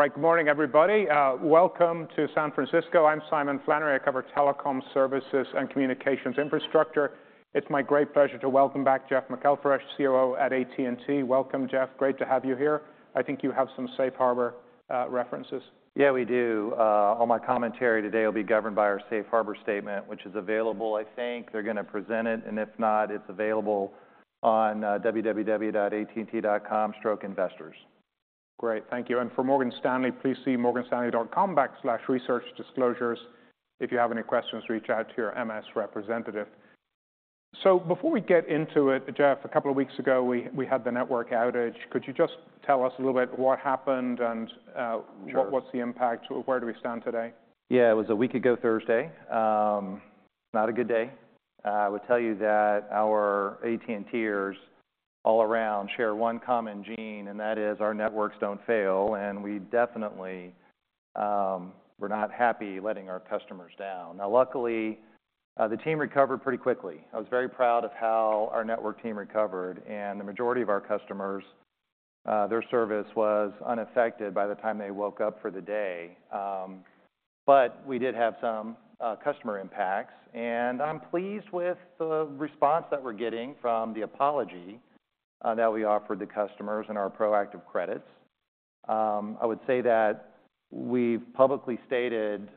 Right. Good morning, everybody. Welcome to San Francisco. I'm Simon Flannery. I cover telecom services and communications infrastructure. It's my great pleasure to welcome back Jeff McElfresh, COO at AT&T. Welcome, Jeff. Great to have you here. I think you have some safe harbor references. Yeah, we do. All my commentary today will be governed by our safe harbor statement, which is available. I think they're going to present it, and if not, it's available on, www.att.com/investors. Great. Thank you. And for Morgan Stanley, please see morganstanley.com/researchdisclosures. If you have any questions, reach out to your MS representative. So before we get into it, Jeff, a couple of weeks ago, we had the network outage. Could you just tell us a little bit what happened and? Sure What's the impact? Where do we stand today? Yeah, it was a week ago Thursday. Not a good day. I would tell you that our AT&Ters all around share one common gene, and that is, our networks don't fail, and we definitely, we're not happy letting our customers down. Now, luckily, the team recovered pretty quickly. I was very proud of how our network team recovered, and the majority of our customers, their service was unaffected by the time they woke up for the day. But we did have some customer impacts, and I'm pleased with the response that we're getting from the apology that we offered the customers and our proactive credits. I would say that we've publicly stated,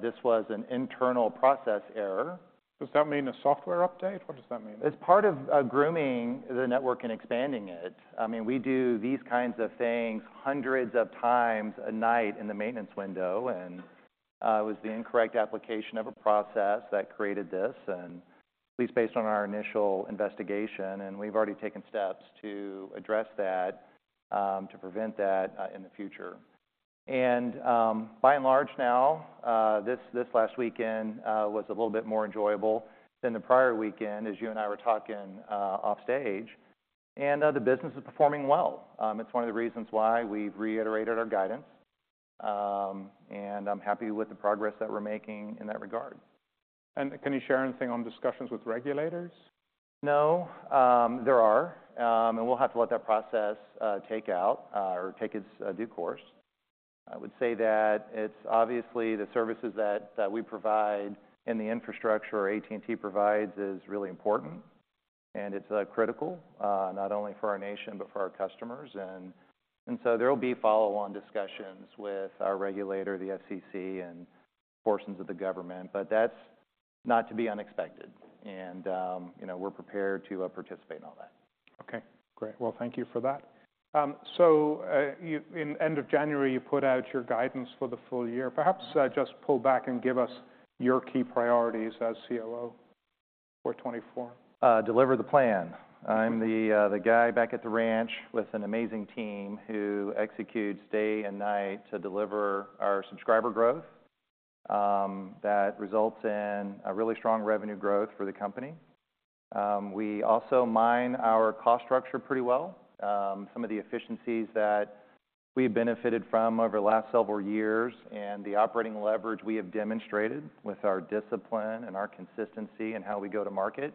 this was an internal process error. Does that mean a software update? What does that mean? As part of grooming the network and expanding it, I mean, we do these kinds of things hundreds of times a night in the maintenance window, and it was the incorrect application of a process that created this, and at least based on our initial investigation, we've already taken steps to address that to prevent that in the future. By and large now, this last weekend was a little bit more enjoyable than the prior weekend, as you and I were talking offstage, and the business is performing well. It's one of the reasons why we've reiterated our guidance, and I'm happy with the progress that we're making in that regard. Can you share anything on discussions with regulators? No. And we'll have to let that process take out, or take its due course. I would say that it's obviously the services that we provide and the infrastructure AT&T provides is really important, and it's critical, not only for our nation, but for our customers. And so there will be follow-on discussions with our regulator, the FCC, and portions of the government, but that's not to be unexpected. And you know, we're prepared to participate in all that. Okay, great. Well, thank you for that. So, in end of January, you put out your guidance for the full year. Perhaps, just pull back and give us your key priorities as COO for 2024. Deliver the plan. I'm the guy back at the ranch with an amazing team who executes day and night to deliver our subscriber growth that results in a really strong revenue growth for the company. We also mine our cost structure pretty well. Some of the efficiencies that we've benefited from over the last several years and the operating leverage we have demonstrated with our discipline and our consistency in how we go to market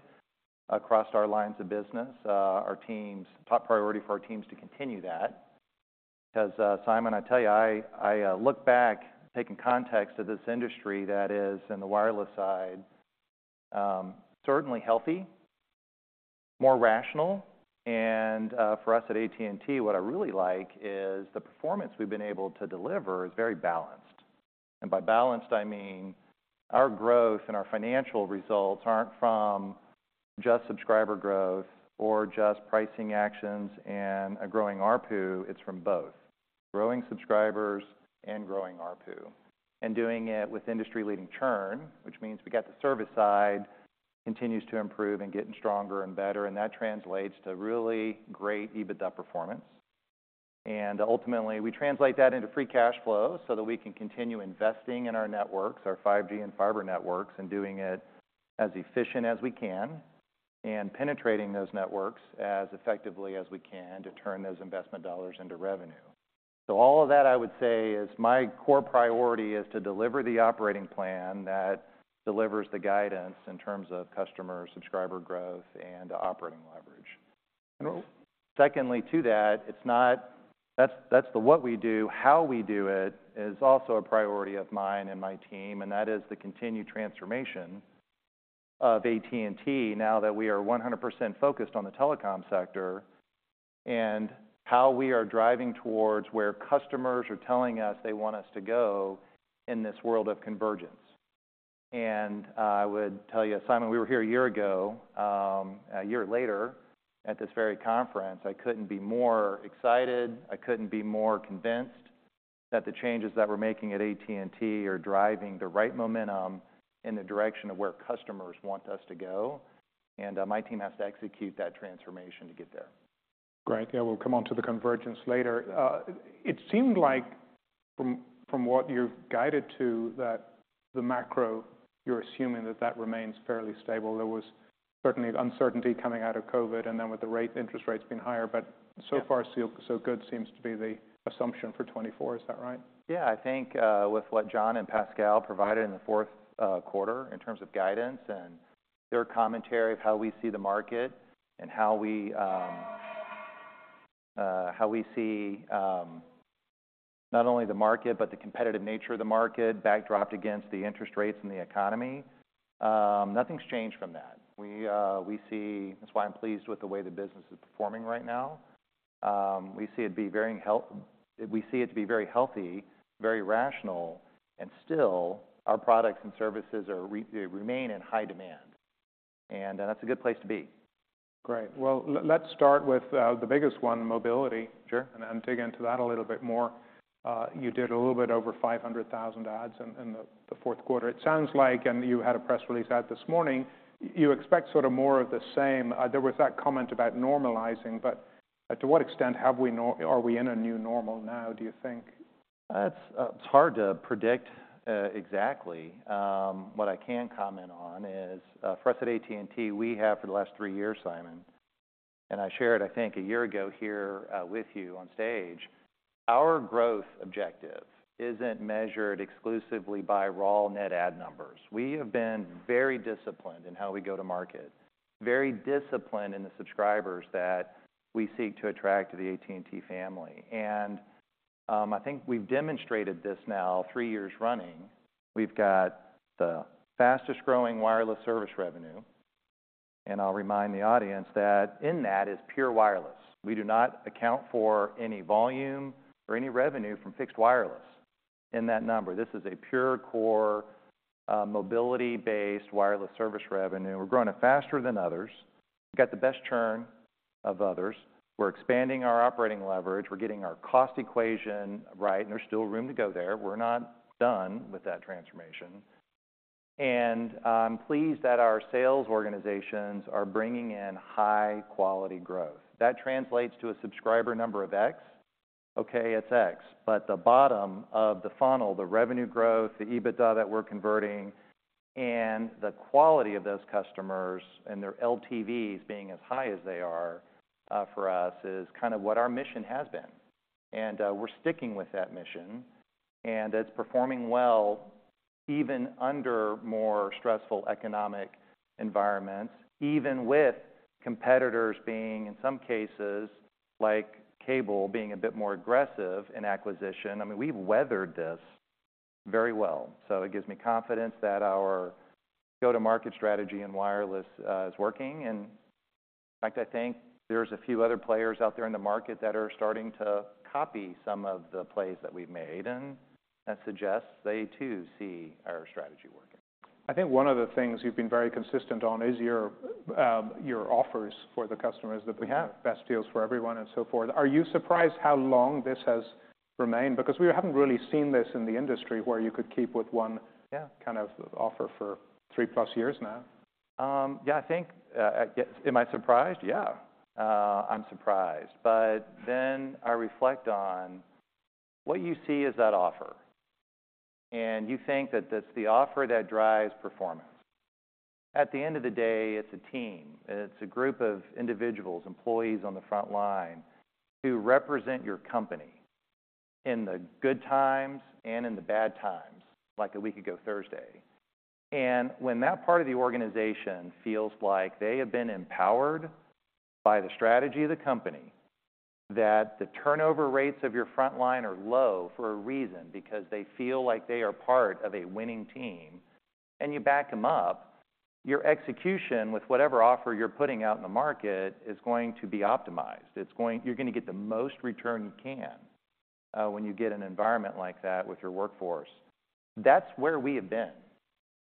across our lines of business, our teams' top priority for our teams to continue that. Because, Simon, I tell you, I look back, taking context of this industry that is, in the wireless side, certainly healthy, more rational, and, for us at AT&T, what I really like is the performance we've been able to deliver is very balanced. By balanced, I mean our growth and our financial results aren't from just subscriber growth or just pricing actions and a growing ARPU. It's from both. Growing subscribers and growing ARPU, and doing it with industry-leading churn, which means we got the service side continues to improve and getting stronger and better, and that translates to really great EBITDA performance. Ultimately, we translate that into free cash flow so that we can continue investing in our networks, our 5G and fiber networks, and doing it as efficient as we can, and penetrating those networks as effectively as we can to turn those investment dollars into revenue. So all of that, I would say, is my core priority, is to deliver the operating plan that delivers the guidance in terms of customer subscriber growth and operating leverage. And- Secondly to that, that's what we do. How we do it is also a priority of mine and my team, and that is the continued transformation of AT&T now that we are 100% focused on the telecom sector, and how we are driving towards where customers are telling us they want us to go in this world of convergence. And, I would tell you, Simon, we were here a year ago, a year later at this very conference, I couldn't be more excited. I couldn't be more convinced that the changes that we're making at AT&T are driving the right momentum in the direction of where customers want us to go, and, my team has to execute that transformation to get there. Great. Yeah, we'll come on to the convergence later. It seemed like from what you've guided to, that the macro, you're assuming that that remains fairly stable. There was certainly uncertainty coming out of COVID and then with the rate-interest rates being higher, but- Yeah... so far, so good seems to be the assumption for 2024. Is that right? Yeah. I think with what John and Pascal provided in the fourth quarter in terms of guidance and their commentary of how we see the market and how we see not only the market but the competitive nature of the market backdrop against the interest rates and the economy. Nothing's changed from that. That's why I'm pleased with the way the business is performing right now. We see it to be very healthy, very rational, and still our products and services remain in high demand, and that's a good place to be. Great. Well, let's start with the biggest one, mobility. Sure. And then dig into that a little bit more. You did a little bit over 500,000 adds in the fourth quarter. It sounds like, and you had a press release out this morning, you expect sort of more of the same. There was that comment about normalizing, but to what extent have we, are we, in a new normal now, do you think? That's, it's hard to predict exactly. What I can comment on is, for us at AT&T, we have for the last three years, Simon, and I shared, I think, a year ago here, with you on stage, our growth objective isn't measured exclusively by raw net add numbers. We have been very disciplined in how we go to market, very disciplined in the subscribers that we seek to attract to the AT&T family. And, I think we've demonstrated this now three years running. We've got the fastest growing wireless service revenue, and I'll remind the audience that in that is pure wireless. We do not account for any volume or any revenue from fixed wireless in that number. This is a pure core, mobility-based wireless service revenue. We're growing it faster than others, got the best churn of others, we're expanding our operating leverage, we're getting our cost equation right, and there's still room to go there. We're not done with that transformation. And, I'm pleased that our sales organizations are bringing in high-quality growth. That translates to a subscriber number of X. Okay, it's X, but the bottom of the funnel, the revenue growth, the EBITDA that we're converting, and the quality of those customers and their LTVs being as high as they are, for us, is kind of what our mission has been. And, we're sticking with that mission, and it's performing well, even under more stressful economic environments, even with competitors being, in some cases, like cable, being a bit more aggressive in acquisition. I mean, we've weathered this very well. It gives me confidence that our go-to-market strategy in wireless is working, and in fact, I think there's a few other players out there in the market that are starting to copy some of the plays that we've made, and that suggests they, too, see our strategy working. I think one of the things you've been very consistent on is your offers for the customers- We have. -that we have best deals for everyone and so forth. Are you surprised how long this has remained? Because we haven't really seen this in the industry where you could keep with one- Yeah... kind of offer for 3+ years now. Yeah, I think, I guess, Am I surprised? Yeah, I'm surprised. But then I reflect on what you see is that offer, and you think that it's the offer that drives performance. At the end of the day, it's a team, it's a group of individuals, employees on the front line, who represent your company in the good times and in the bad times, like a week ago Thursday. And when that part of the organization feels like they have been empowered by the strategy of the company, that the turnover rates of your frontline are low for a reason, because they feel like they are part of a winning team, and you back them up, your execution with whatever offer you're putting out in the market is going to be optimized. You're gonna get the most return you can, when you get an environment like that with your workforce. That's where we have been.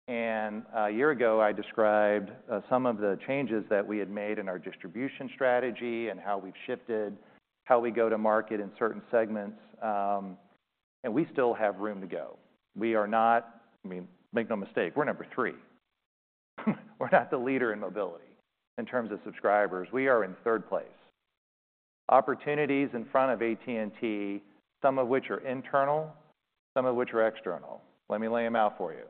A year ago, I described some of the changes that we had made in our distribution strategy and how we've shifted, how we go to market in certain segments, and we still have room to go. We are not... I mean, make no mistake, we're number three. We're not the leader in mobility in terms of subscribers, we are in third place. Opportunities in front of AT&T, some of which are internal, some of which are external. Let me lay them out for you.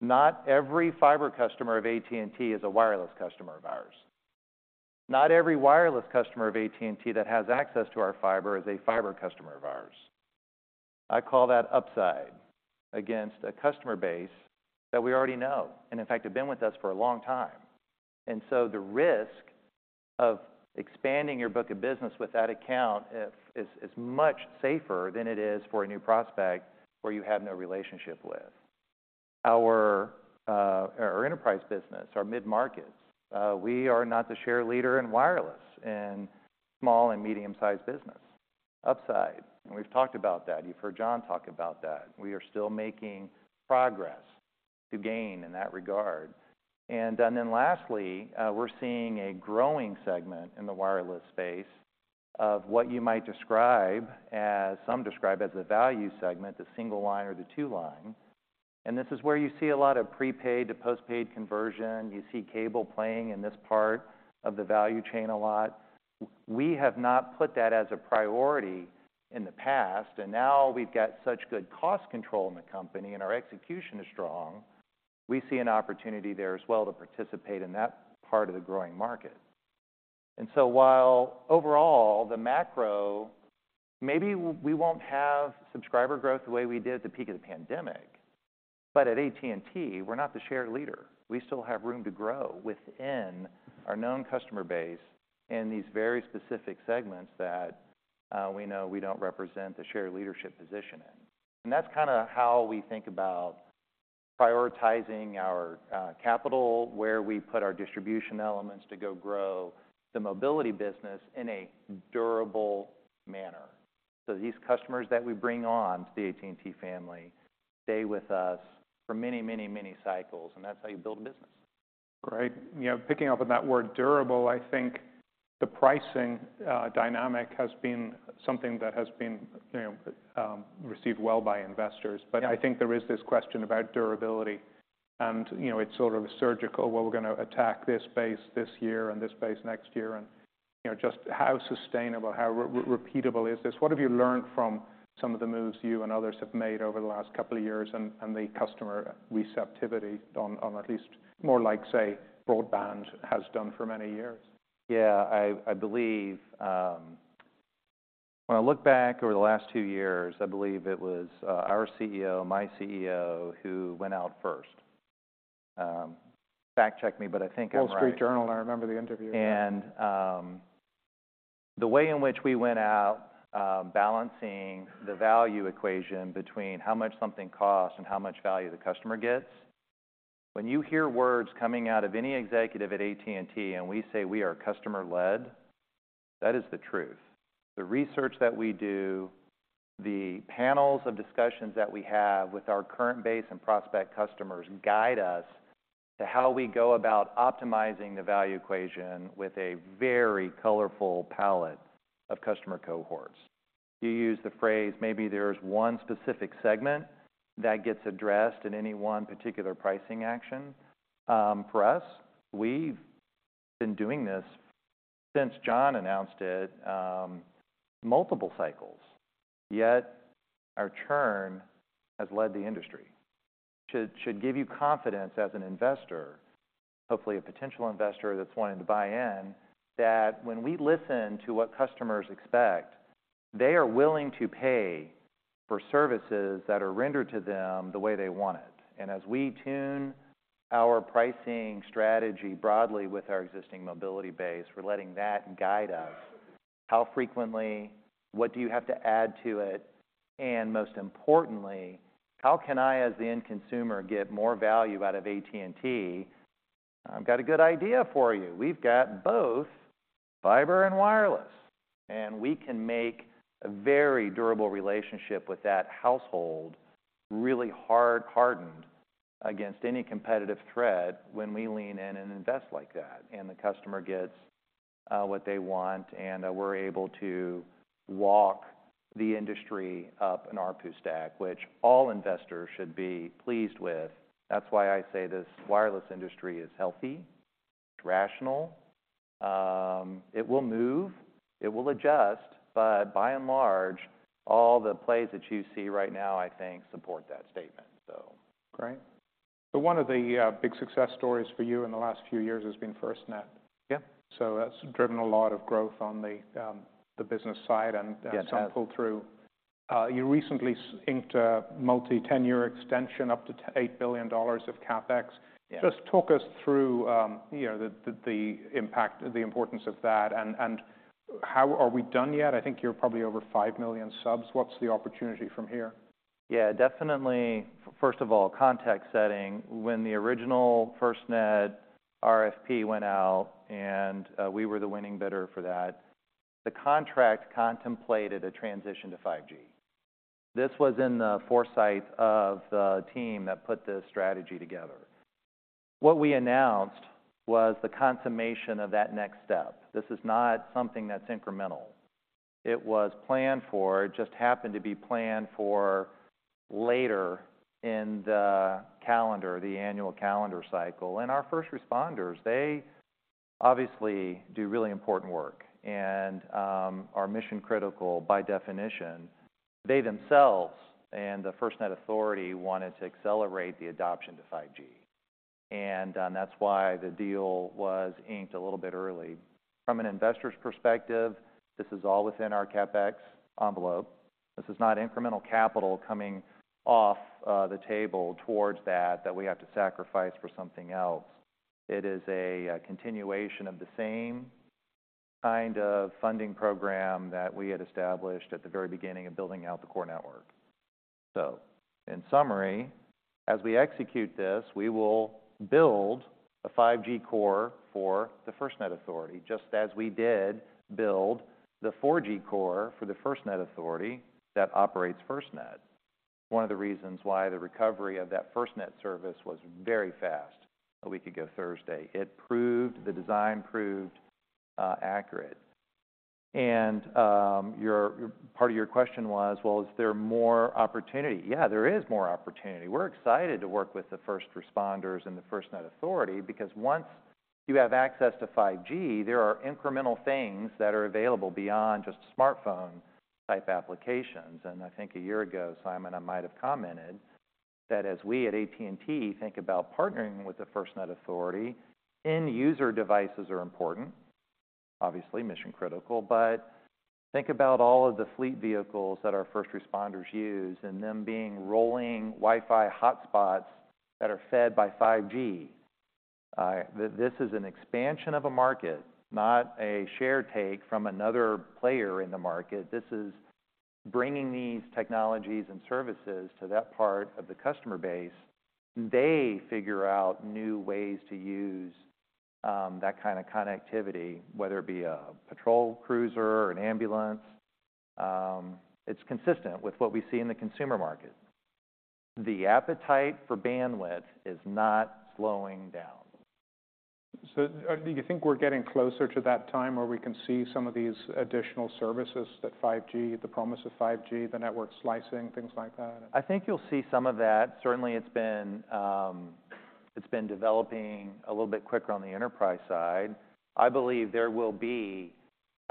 Not every fiber customer of AT&T is a wireless customer of ours. Not every wireless customer of AT&T that has access to our fiber is a fiber customer of ours. I call that upside against a customer base that we already know, and in fact, have been with us for a long time. And so the risk of expanding your book of business with that account is much safer than it is for a new prospect where you have no relationship with. Our enterprise business, our mid-markets, we are not the share leader in wireless in small and medium-sized business. Upside, and we've talked about that. You've heard John talk about that. We are still making progress to gain in that regard. And then lastly, we're seeing a growing segment in the wireless space of what you might describe as some describe as the value segment, the single line or the two line. And this is where you see a lot of prepaid to postpaid conversion. You see cable playing in this part of the value chain a lot. We have not put that as a priority in the past, and now we've got such good cost control in the company and our execution is strong, we see an opportunity there as well to participate in that part of the growing market.... And so while overall, the macro, maybe we won't have subscriber growth the way we did at the peak of the pandemic, but at AT&T, we're not the shared leader. We still have room to grow within our known customer base in these very specific segments that we know we don't represent the shared leadership position in. And that's kind of how we think about prioritizing our capital, where we put our distribution elements to go grow the mobility business in a durable manner. These customers that we bring on to the AT&T family stay with us for many, many, many cycles, and that's how you build a business. Great. You know, picking up on that word durable, I think the pricing, dynamic has been something that has been, you know, received well by investors. Yeah. But I think there is this question about durability, and, you know, it's sort of surgical, where we're going to attack this base this year and this base next year, and, you know, just how sustainable, how repeatable is this? What have you learned from some of the moves you and others have made over the last couple of years and the customer receptivity on at least more like, say, broadband has done for many years? Yeah, I believe. When I look back over the last two years, I believe it was our CEO, my CEO, who went out first. Fact-check me, but I think I'm right. Wall Street Journal, I remember the interview. The way in which we went out, balancing the value equation between how much something costs and how much value the customer gets, when you hear words coming out of any executive at AT&T, and we say we are customer-led, that is the truth. The research that we do, the panels of discussions that we have with our current base and prospect customers guide us to how we go about optimizing the value equation with a very colorful palette of customer cohorts. You use the phrase, maybe there's one specific segment that gets addressed in any one particular pricing action. For us, we've been doing this since John announced it, multiple cycles, yet our churn has led the industry. Should give you confidence as an investor, hopefully a potential investor that's wanting to buy in, that when we listen to what customers expect, they are willing to pay for services that are rendered to them the way they want it. And as we tune our pricing strategy broadly with our existing mobility base, we're letting that guide us. How frequently? What do you have to add to it? And most importantly, how can I, as the end consumer, get more value out of AT&T? I've got a good idea for you. We've got both fiber and wireless, and we can make a very durable relationship with that household, really hard hardened against any competitive threat when we lean in and invest like that, and the customer gets what they want, and we're able to walk the industry up an ARPU stack, which all investors should be pleased with. That's why I say this wireless industry is healthy, rational, it will move, it will adjust, but by and large, all the plays that you see right now, I think, support that statement, so. Great. So one of the big success stories for you in the last few years has been FirstNet. Yeah. That's driven a lot of growth on the business side and- Yes some pull-through. You recently signed a multi-ten-year extension, up to $8 billion of CapEx. Yeah. Just talk us through, you know, the impact, the importance of that, and how—are we done yet? I think you're probably over 5 million subs. What's the opportunity from here? Yeah, definitely, first of all, context setting. When the original FirstNet RFP went out and we were the winning bidder for that, the contract contemplated a transition to 5G. This was in the foresight of the team that put this strategy together. What we announced was the consummation of that next step. This is not something that's incremental. It was planned for. It just happened to be planned for later in the calendar, the annual calendar cycle. And our first responders, they obviously do really important work and are mission-critical by definition. They themselves, and the FirstNet Authority, wanted to accelerate the adoption to 5G, and that's why the deal was inked a little bit early. From an investor's perspective, this is all within our CapEx envelope. This is not incremental capital coming off the table towards that, that we have to sacrifice for something else. It is a continuation of the same kind of funding program that we had established at the very beginning of building out the core network. So in summary, as we execute this, we will build a 5G core for the FirstNet Authority, just as we did build the 4G core for the FirstNet Authority that operates FirstNet. One of the reasons why the recovery of that FirstNet service was very fast, a week ago Thursday. It proved, the design proved, accurate. And, your part of your question was, well, is there more opportunity? Yeah, there is more opportunity. We're excited to work with the first responders and the FirstNet Authority, because once you have access to 5G, there are incremental things that are available beyond just smartphone-type applications. And I think a year ago, Simon and I might have commented-... That as we at AT&T think about partnering with the FirstNet Authority, end user devices are important, obviously mission critical. But think about all of the fleet vehicles that our first responders use, and them being rolling Wi-Fi hotspots that are fed by 5G. This is an expansion of a market, not a share take from another player in the market. This is bringing these technologies and services to that part of the customer base. They figure out new ways to use that kind of connectivity, whether it be a patrol cruiser or an ambulance. It's consistent with what we see in the consumer market. The appetite for bandwidth is not slowing down. So, do you think we're getting closer to that time where we can see some of these additional services, that 5G, the promise of 5G, the network slicing, things like that? I think you'll see some of that. Certainly, it's been developing a little bit quicker on the enterprise side. I believe there will be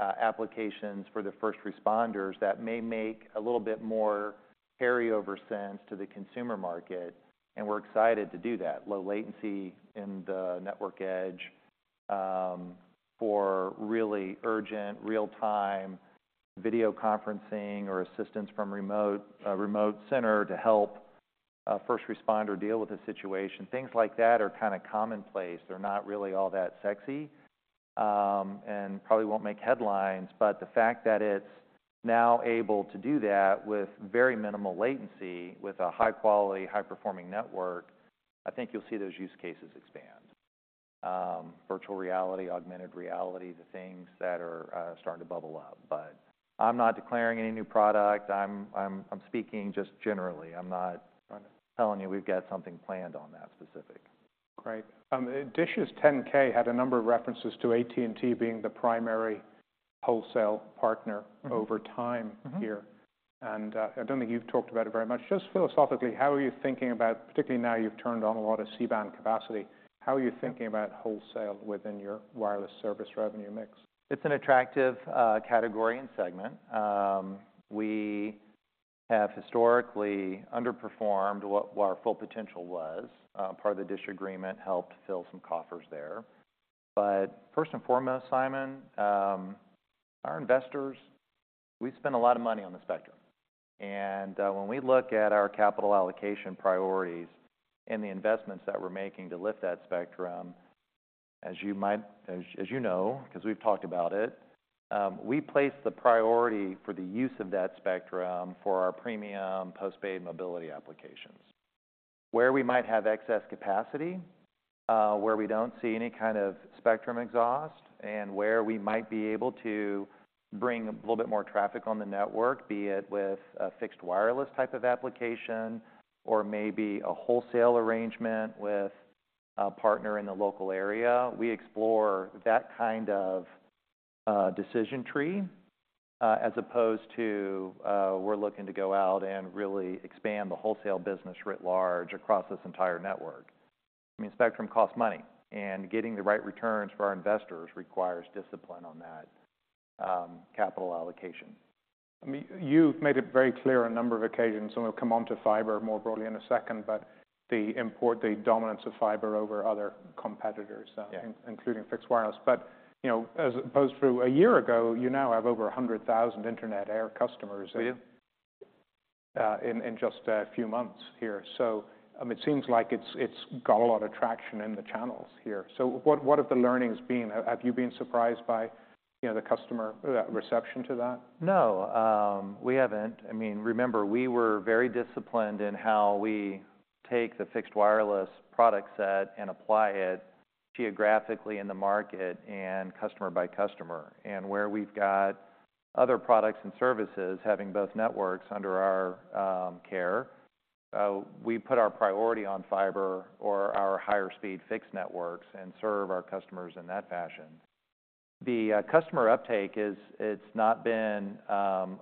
applications for the first responders that may make a little bit more carryover sense to the consumer market, and we're excited to do that. Low latency in the network edge for really urgent, real-time video conferencing or assistance from a remote center to help a first responder deal with a situation. Things like that are kind of commonplace. They're not really all that sexy, and probably won't make headlines, but the fact that it's now able to do that with very minimal latency, with a high-quality, high-performing network, I think you'll see those use cases expand. Virtual reality, augmented reality, the things that are starting to bubble up, but I'm not declaring any new product. I'm speaking just generally. I'm not telling you we've got something planned on that specific. Great. Dish's 10-K had a number of references to AT&T being the primary wholesale partner- Mm-hmm. - over time here. Mm-hmm. I don't think you've talked about it very much. Just philosophically, how are you thinking about, particularly now you've turned on a lot of C-band capacity, how are you thinking about wholesale within your wireless service revenue mix? It's an attractive category and segment. We have historically underperformed what our full potential was. Part of the Dish agreement helped fill some coffers there. But first and foremost, Simon, our investors, we spend a lot of money on the spectrum. And when we look at our capital allocation priorities and the investments that we're making to lift that spectrum, as you know, 'cause we've talked about it, we place the priority for the use of that spectrum for our premium postpaid mobility applications. Where we might have excess capacity, where we don't see any kind of spectrum exhaust, and where we might be able to bring a little bit more traffic on the network, be it with a fixed wireless type of application or maybe a wholesale arrangement with a partner in the local area, we explore that kind of decision tree, as opposed to we're looking to go out and really expand the wholesale business writ large across this entire network. I mean, spectrum costs money, and getting the right returns for our investors requires discipline on that capital allocation. I mean, you've made it very clear on a number of occasions, and we'll come on to fiber more broadly in a second, but the importance, the dominance of fiber over other competitors- Yeah... including fixed wireless. But, you know, as opposed to a year ago, you now have over 100,000 Internet Air customers- We do... in just a few months here. So, it seems like it's got a lot of traction in the channels here. So what have the learnings been? Have you been surprised by, you know, the customer reception to that? No, we haven't. I mean, remember, we were very disciplined in how we take the fixed wireless product set and apply it geographically in the market and customer by customer. And where we've got other products and services, having both networks under our care, we put our priority on fiber or our higher speed fixed networks and serve our customers in that fashion. The customer uptake is it's not been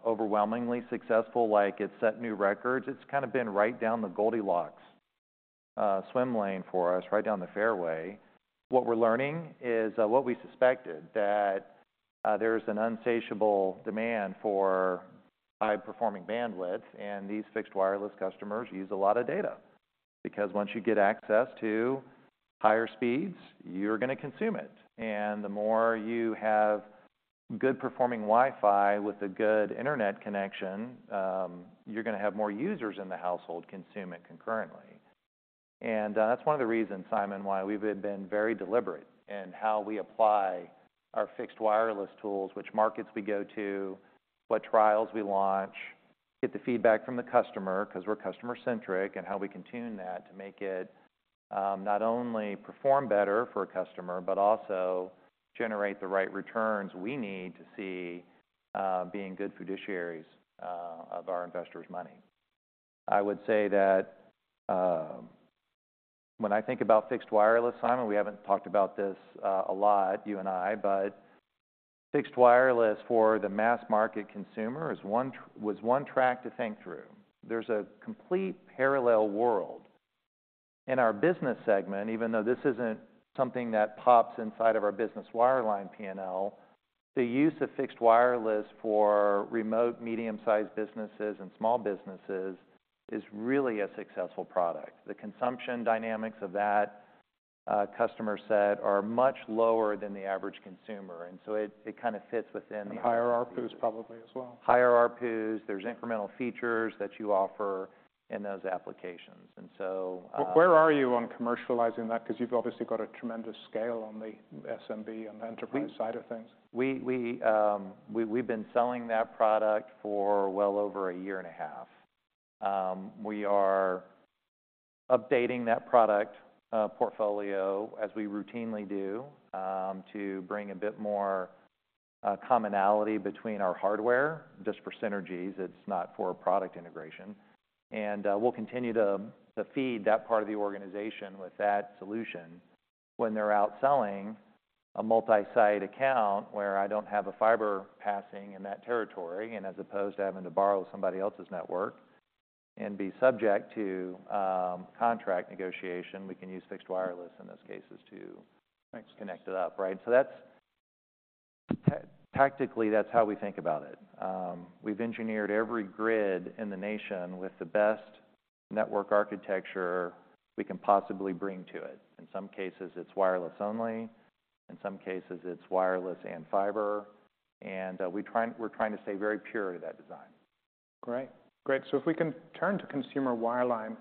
overwhelmingly successful, like, it set new records. It's kind of been right down the Goldilocks swim lane for us, right down the fairway. What we're learning is what we suspected, that there's an insatiable demand for high-performing bandwidth, and these fixed wireless customers use a lot of data. Because once you get access to higher speeds, you're gonna consume it, and the more you have good performing Wi-Fi with a good internet connection, you're gonna have more users in the household consume it concurrently. And, that's one of the reasons, Simon, why we've been very deliberate in how we apply our fixed wireless tools, which markets we go to, what trials we launch, get the feedback from the customer, 'cause we're customer-centric, and how we can tune that to make it, not only perform better for a customer but also generate the right returns we need to see, being good fiduciaries, of our investors' money. I would say that, when I think about fixed wireless, Simon, we haven't talked about this a lot, you and I, but fixed wireless for the mass market consumer was one track to think through. There's a complete parallel world in our business segment, even though this isn't something that pops inside of our business wireline PNL, the use of fixed wireless for remote medium-sized businesses and small businesses is really a successful product. The consumption dynamics of that customer set are much lower than the average consumer, and so it kind of fits within- Higher ARPU is probably as well? Higher ARPUs, there's incremental features that you offer in those applications. And so- But where are you on commercializing that? 'Cause you've obviously got a tremendous scale on the SMB and the enterprise side of things. We've been selling that product for well over a year and a half. We are updating that product portfolio, as we routinely do, to bring a bit more commonality between our hardware, just for synergies; it's not for product integration. And we'll continue to feed that part of the organization with that solution when they're out selling a multi-site account, where I don't have a fiber passing in that territory, and as opposed to having to borrow somebody else's network and be subject to contract negotiation, we can use fixed wireless in those cases to- Thanks... connect it up, right? So that's, tactically, that's how we think about it. We've engineered every grid in the nation with the best network architecture we can possibly bring to it. In some cases, it's wireless only, in some cases it's wireless and fiber, and we're trying to stay very pure to that design. Great. Great, so if we can turn to consumer wireline.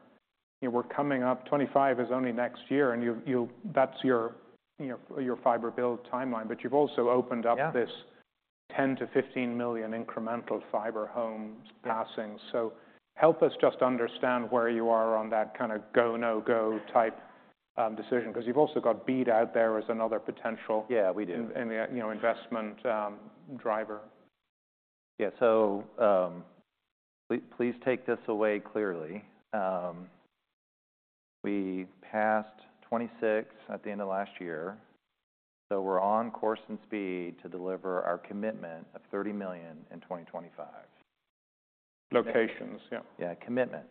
You know, we're coming up, 2025 is only next year, and you've, you—that's your, you know, your fiber build timeline, but you've also opened up— Yeah This 10-15 million incremental fiber homes passing. So help us just understand where you are on that kind of go, no-go type decision, 'cause you've also got BEAD out there as another potential- Yeah, we do. in the, you know, investment driver. Yeah. So, please take this away clearly. We passed 26 at the end of last year, so we're on course and speed to deliver our commitment of 30 million in 2025. Locations, yeah. Yeah, commitment.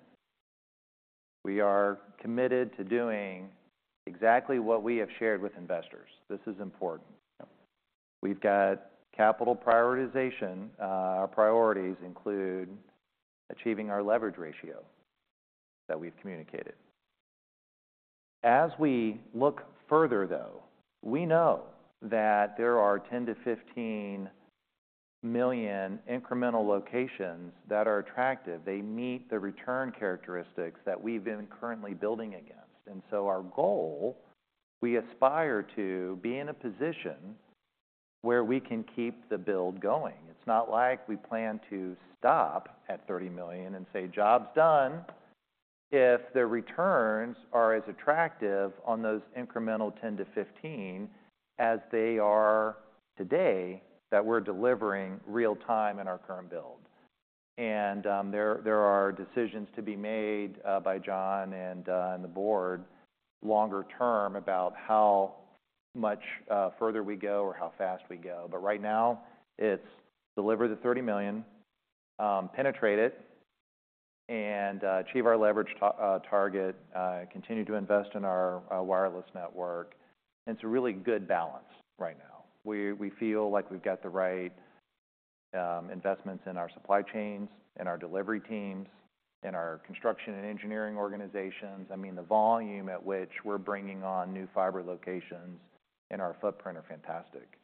We are committed to doing exactly what we have shared with investors. This is important. Yeah. We've got capital prioritization. Our priorities include achieving our leverage ratio that we've communicated. As we look further, though, we know that there are 10-15 million incremental locations that are attractive. They meet the return characteristics that we've been currently building against. And so our goal, we aspire to be in a position where we can keep the build going. It's not like we plan to stop at 30 million and say, "Job's done," if the returns are as attractive on those incremental 10-15 as they are today, that we're delivering real time in our current build. And, there are decisions to be made, by John and the board longer term about how much further we go or how fast we go. But right now, it's deliver the 30 million, penetrate it, and achieve our leverage target, continue to invest in our wireless network. It's a really good balance right now. We feel like we've got the right investments in our supply chains, in our delivery teams, in our construction and engineering organizations. I mean, the volume at which we're bringing on new fiber locations in our footprint are fantastic.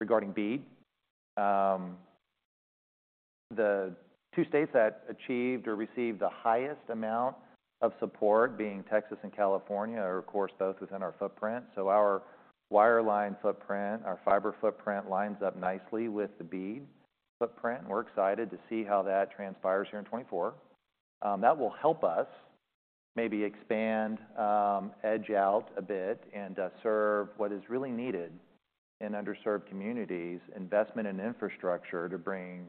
Regarding BEAD, the two states that achieved or received the highest amount of support, being Texas and California, are, of course, both within our footprint. So our wireline footprint, our fiber footprint, lines up nicely with the BEAD footprint, and we're excited to see how that transpires here in 2024. That will help us maybe expand, edge out a bit and serve what is really needed in underserved communities, investment in infrastructure to bring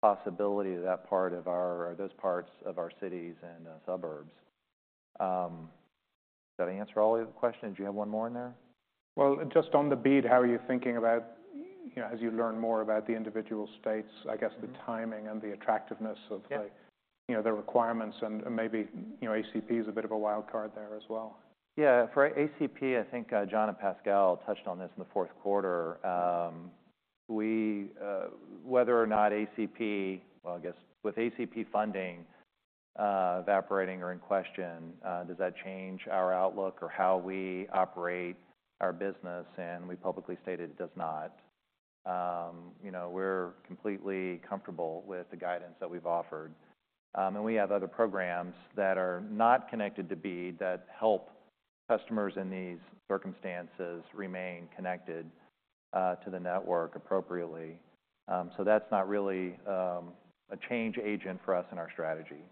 possibility to that part of our... or those parts of our cities and suburbs. Did that answer all of your questions? Do you have one more in there? Well, just on the BEAD, how are you thinking about, you know, as you learn more about the individual states, I guess the timing and the attractiveness of like- Yeah... you know, the requirements and maybe, you know, ACP is a bit of a wild card there as well. Yeah. For ACP, I think, John and Pascal touched on this in the fourth quarter. We... Whether or not ACP, well, I guess with ACP funding, evaporating or in question, does that change our outlook or how we operate our business? And we publicly stated it does not. You know, we're completely comfortable with the guidance that we've offered, and we have other programs that are not connected to BEAD that help customers in these circumstances remain connected, to the network appropriately. So that's not really, a change agent for us in our strategy.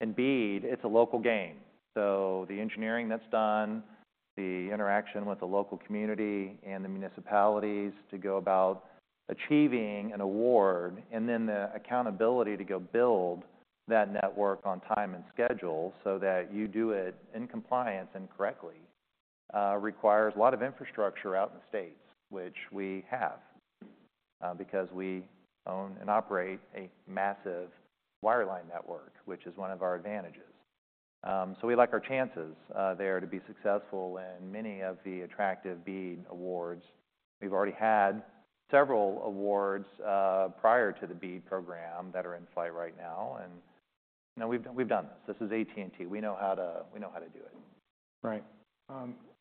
In BEAD, it's a local game, so the engineering that's done, the interaction with the local community and the municipalities to go about achieving an award, and then the accountability to go build that network on time and schedule so that you do it in compliance and correctly. It requires a lot of infrastructure out in the States, which we have, because we own and operate a massive wireline network, which is one of our advantages. So we like our chances there to be successful in many of the attractive BEAD awards. We've already had several awards prior to the BEAD program that are in play right now, and, you know, we've, we've done this. This is AT&T. We know how to- we know how to do it. Right.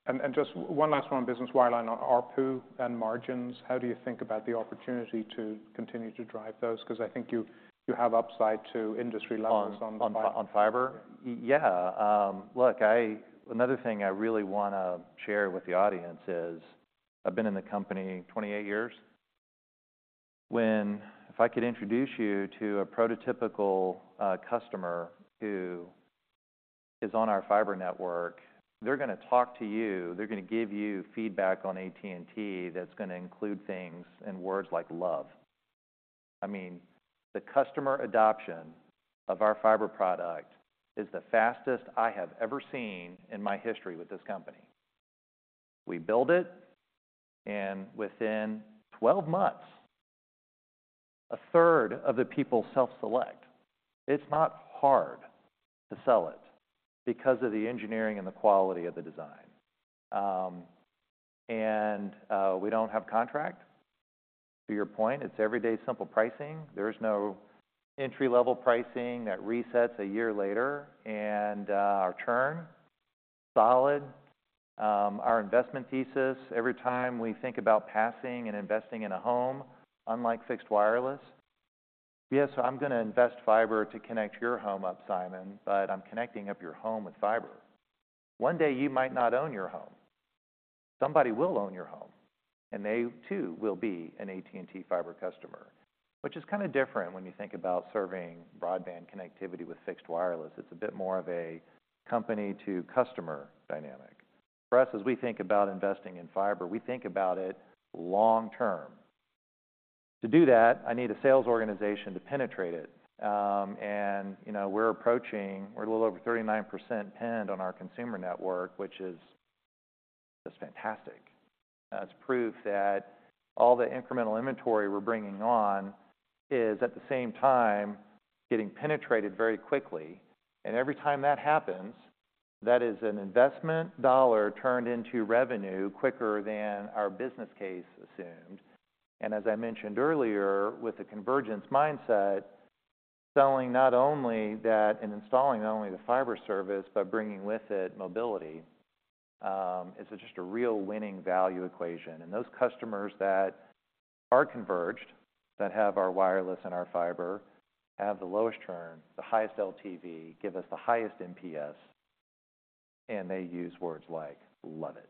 And just one last one on business wireline on ARPU and margins. How do you think about the opportunity to continue to drive those? 'Cause I think you have upside to industry levels on fiber. On fiber? Yeah. Yeah. Look, another thing I really want to share with the audience is, I've been in the company 28 years. If I could introduce you to a prototypical customer who is on our fiber network, they're going to talk to you, they're going to give you feedback on AT&T that's going to include things and words like love. I mean, the customer adoption of our fiber product is the fastest I have ever seen in my history with this company. We build it, and within 12 months, a third of the people self-select. It's not hard to sell it because of the engineering and the quality of the design. And, we don't have contract. To your point, it's everyday simple pricing. There's no entry-level pricing that resets a year later, and our churn, solid. Our investment thesis, every time we think about passing and investing in a home, unlike fixed wireless, yes, I'm going to invest fiber to connect your home up, Simon, but I'm connecting up your home with fiber. One day you might not own your home. Somebody will own your home, and they, too, will be an AT&T Fiber customer, which is kind of different when you think about serving broadband connectivity with fixed wireless. It's a bit more of a company-to-customer dynamic. For us, as we think about investing in fiber, we think about it long term. To do that, I need a sales organization to penetrate it. And, you know, we're approaching, we're a little over 39% pinned on our consumer network, which is just fantastic. That's proof that all the incremental inventory we're bringing on is, at the same time, getting penetrated very quickly. Every time that happens, that is an investment dollar turned into revenue quicker than our business case assumed. As I mentioned earlier, with the convergence mindset, selling not only that and installing not only the fiber service, but bringing with it mobility, is just a real winning value equation. Those customers that are converged, that have our wireless and our fiber, have the lowest churn, the highest LTV, give us the highest NPS, and they use words like, "Love it."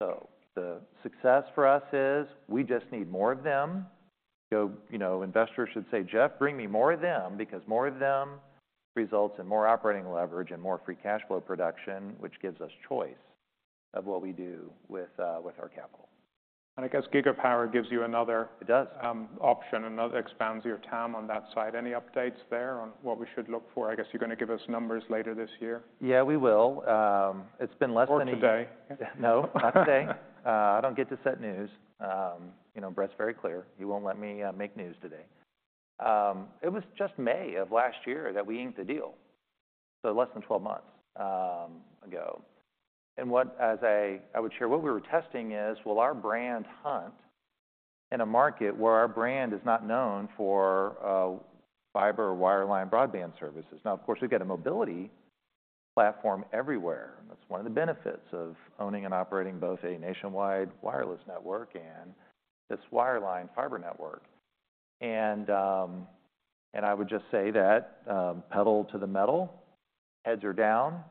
The success for us is we just need more of them. You know, investors should say, "Jeff, bring me more of them," because more of them results in more operating leverage and more free cash flow production, which gives us choice of what we do with our capital. I guess Gigapower gives you another- It does... option, another expands your TAM on that side. Any updates there on what we should look for? I guess you're going to give us numbers later this year. Yeah, we will. It's been less than a- Or today. No, not today. I don't get to set news. You know, Brett's very clear. He won't let me make news today. It was just May of last year that we inked the deal, so less than 12 months ago. And what I would share, what we were testing is, will our brand hunt in a market where our brand is not known for fiber or wireline broadband services? Now, of course, we've got a mobility platform everywhere. That's one of the benefits of owning and operating both a nationwide wireless network and this wireline fiber network. And I would just say that, pedal to the metal, heads are down,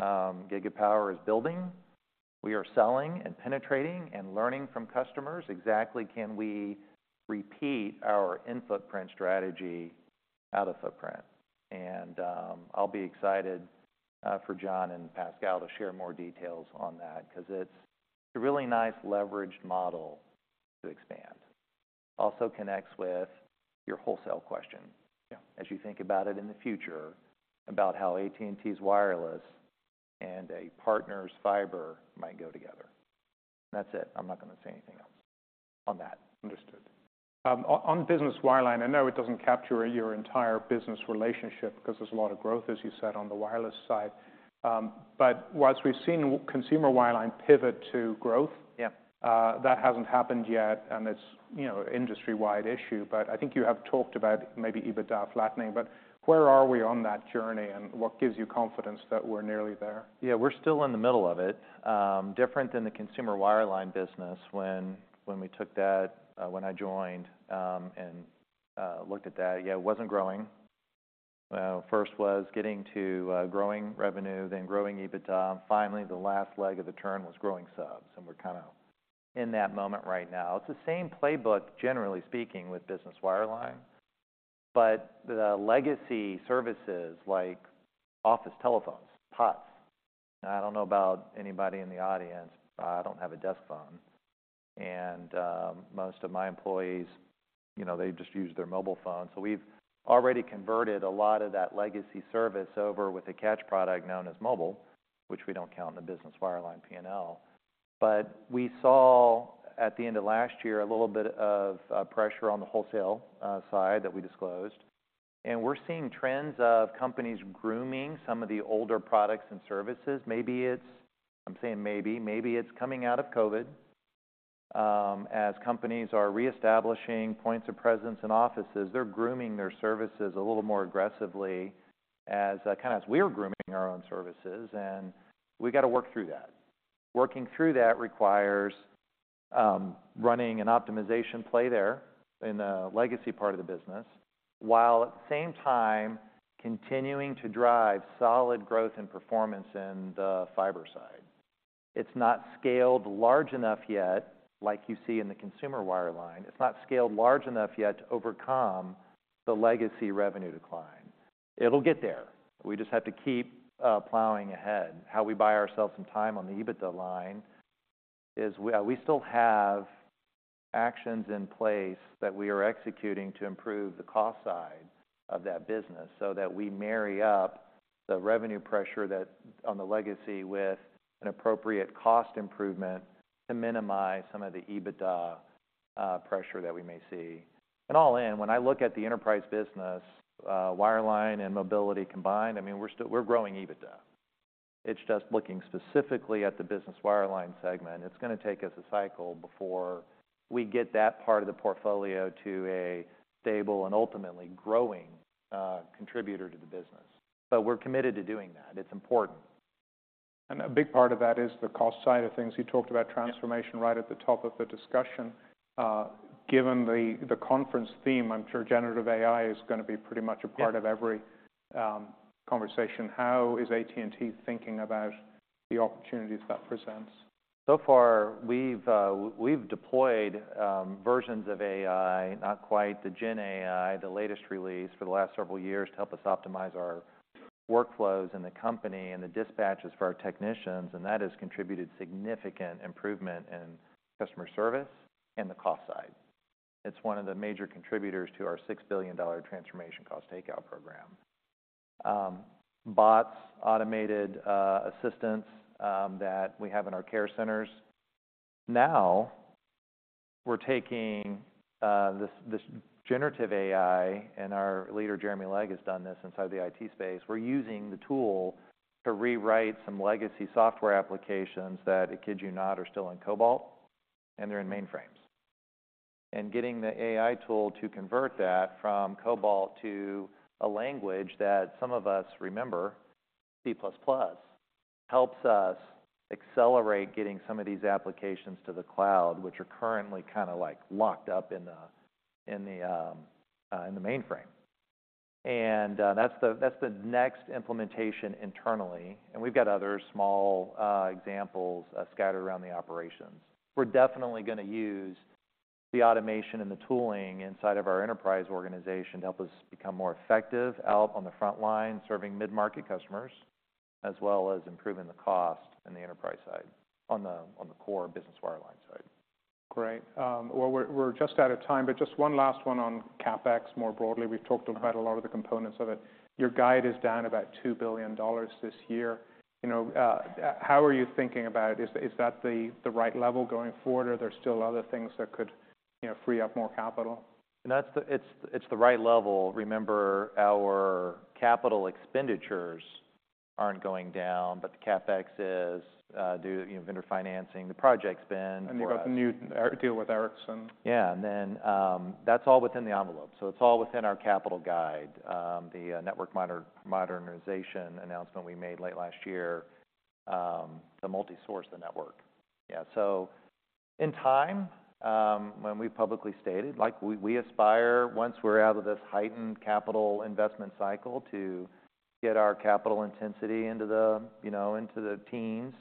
Gigapower is building. We are selling and penetrating and learning from customers, exactly can we repeat our in-footprint strategy out-of-footprint? I'll be excited for John and Pascal to share more details on that, 'cause it's a really nice leveraged model to expand. Also connects with your wholesale question- Yeah... as you think about it in the future, about how AT&T's wireless and a partner's fiber might go together. That's it. I'm not going to say anything else on that. Understood. On business wireline, I know it doesn't capture your entire business relationship because there's a lot of growth, as you said, on the wireless side. But whilst we've seen consumer wireline pivot to growth- Yeah... that hasn't happened yet, and it's, you know, an industry-wide issue. But I think you have talked about maybe EBITDA flattening, but where are we on that journey, and what gives you confidence that we're nearly there? Yeah, we're still in the middle of it. Different than the consumer wireline business when we took that, when I joined, and looked at that. Yeah, it wasn't growing. First was getting to growing revenue, then growing EBITDA. Finally, the last leg of the turn was growing subs, and we're kind of in that moment right now. It's the same playbook, generally speaking, with business wireline, but the legacy services like office telephones, POTS. I don't know about anybody in the audience, but I don't have a desk phone... and most of my employees, you know, they just use their mobile phone. So we've already converted a lot of that legacy service over with a catch product known as mobile, which we don't count in the business wireline P&L. But we saw, at the end of last year, a little bit of pressure on the wholesale side that we disclosed, and we're seeing trends of companies grooming some of the older products and services. Maybe it's, maybe it's coming out of COVID, as companies are reestablishing points of presence in offices, they're grooming their services a little more aggressively as, kinda as we're grooming our own services, and we've got to work through that. Working through that requires running an optimization play there in the legacy part of the business, while at the same time, continuing to drive solid growth and performance in the fiber side. It's not scaled large enough yet, like you see in the consumer wireline. It's not scaled large enough yet to overcome the legacy revenue decline. It'll get there. We just have to keep plowing ahead. How we buy ourselves some time on the EBITDA line is we still have actions in place that we are executing to improve the cost side of that business, so that we marry up the revenue pressure that on the legacy with an appropriate cost improvement to minimize some of the EBITDA pressure that we may see. And all in, when I look at the enterprise business, wireline and mobility combined, I mean, we're still growing EBITDA. It's just looking specifically at the business wireline segment. It's going to take us a cycle before we get that part of the portfolio to a stable and ultimately growing contributor to the business. But we're committed to doing that. It's important. A big part of that is the cost side of things. You talked about transformation- Yeah Right at the top of the discussion. Given the conference theme, I'm sure generative AI is going to be pretty much a part of every- Yeah... conversation. How is AT&T thinking about the opportunities that presents? So far, we've deployed versions of AI, not quite the GenAI, the latest release, for the last several years to help us optimize our workflows in the company and the dispatches for our technicians, and that has contributed significant improvement in customer service and the cost side. It's one of the major contributors to our $6 billion transformation cost takeout program. Bots, automated assistants that we have in our care centers. Now, we're taking this generative AI, and our leader, Jeremy Legg, has done this inside the IT space. We're using the tool to rewrite some legacy software applications that, it kids you not, are still in COBOL, and they're in mainframes. Getting the AI tool to convert that from COBOL to a language that some of us remember, C++, helps us accelerate getting some of these applications to the cloud, which are currently kinda like locked up in the mainframe. That's the next implementation internally, and we've got other small examples scattered around the operations. We're definitely going to use the automation and the tooling inside of our enterprise organization to help us become more effective out on the front line, serving mid-market customers, as well as improving the cost in the enterprise side, on the core business wireline side. Great. Well, we're just out of time, but just one last one on CapEx. More broadly, we've talked about a lot of the components of it. Your guide is down about $2 billion this year. You know, how are you thinking about it? Is that the right level going forward, or are there still other things that could, you know, free up more capital? That's it, it's the right level. Remember, our capital expenditures aren't going down, but the CapEx is due, you know, vendor financing, the project spend for us. You've got the new deal with Ericsson. Yeah, and then, that's all within the envelope, so it's all within our capital guide. The network modernization announcement we made late last year to multisource the network. Yeah, so in time, when we publicly stated, like, we aspire, once we're out of this heightened capital investment cycle, to get our capital intensity into the, you know, into the teens.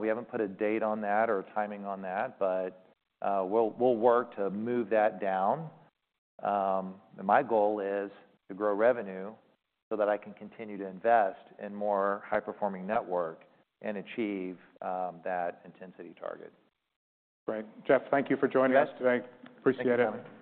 We haven't put a date on that or timing on that, but, we'll work to move that down. And my goal is to grow revenue so that I can continue to invest in more high-performing network and achieve that intensity target. Great! Jeff, thank you for joining us today. Yes. Appreciate it.